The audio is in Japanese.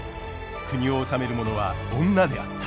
国を治める者は女であった。